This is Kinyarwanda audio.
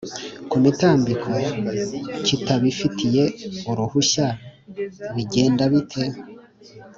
kumitambiko kitabifitiye Uruhushya bigenda bite